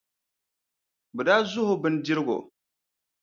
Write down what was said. Bɛ daa zuhi o bindirigu.